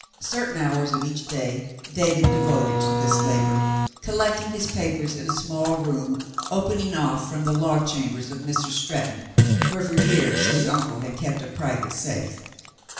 Certain hours of each day David devoted to this labor, collecting his papers in a small room opening off from the law chambers of Mr. Stretton, where for years his uncle had kept a private safe.